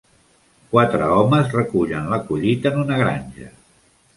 Quatre homes recullen la collita en una granja.